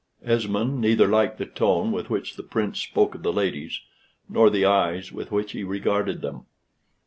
Esmond neither liked the tone with which the Prince spoke of the ladies, nor the eyes with which he regarded them.